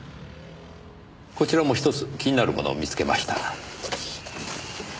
こちらも１つ気になるものを見つけました。